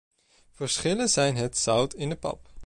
Verschillen zijn het zout in de pap.